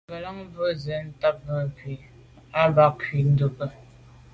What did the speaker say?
Ŋgə̀lâŋ brʉ́n nǔm sə̂' taba'ké mbá à nkrə̌ ndʉ́ kǎ.